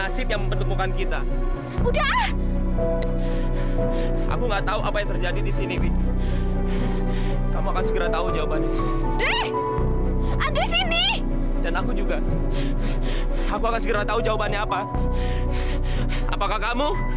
sampai jumpa di video selanjutnya